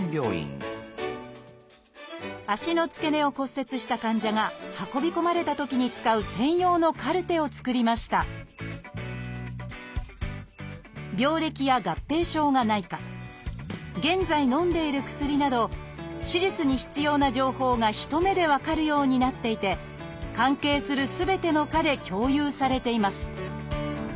足の付け根を骨折した患者が運び込まれたときに使う専用のカルテを作りました病歴や合併症がないか現在のんでいる薬など手術に必要な情報が一目で分かるようになっていて関係するすべての科で共有されています。